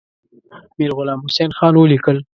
میرغلام حسین خان ولیکل.